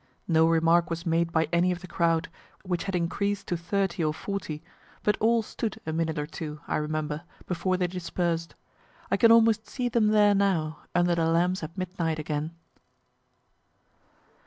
No remark was made by any of the crowd, which had increas'd to thirty or forty, but all stood a minute or two, I remember, before they dispers'd. I can almost see them there now, under the lamps at midnight again.